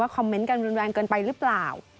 ว่าคอมเมนต์กันรุนแวงเกินไปรึเปล่า